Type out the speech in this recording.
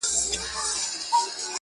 • هره ورځ به زموږ خپلوان پکښي بندیږی -